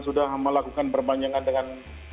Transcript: sudah melakukan perpanjangan dengan